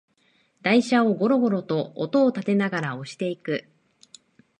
台車をゴロゴロと音をたてながら押していく